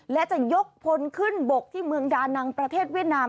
และจะยกพลขึ้นบกที่เมืองดานังประเทศเวียดนาม